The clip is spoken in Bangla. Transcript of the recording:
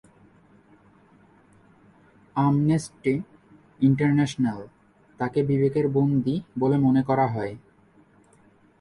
অ্যামনেস্টি ইন্টারন্যাশনাল তাকে "বিবেকের বন্দী" বলে মনে করে।